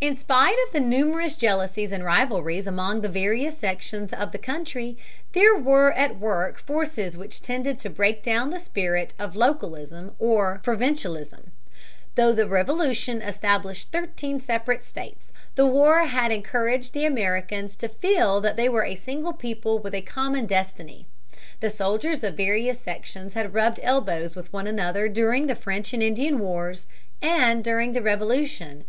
In spite of the numerous jealousies and rivalries among the various sections of the country, there were at work forces which tended to break down the spirit of localism or provincialism. Though the Revolution established thirteen separate states, the war had encouraged the Americans to feel that they were a single people with a common destiny. The soldiers of various sections had rubbed elbows with one another during the French and Indian wars, and during the Revolution.